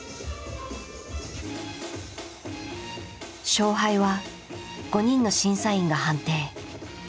勝敗は５人の審査員が判定。